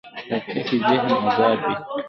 کتابچه کې ذهن ازاد وي